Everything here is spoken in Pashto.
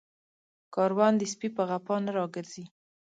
کاروان د سپي په غپا نه راگرځي